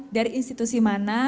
dari institusi mana